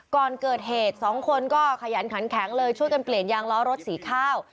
ก่อนเกิดเหตุสองคนก็ขยันขันแข็งเลยช่วยกันเปลี่ยนยางล้อรถสีข้าว